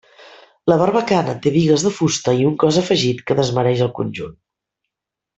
La barbacana té bigues de fusta i un cos afegit que desmereix el conjunt.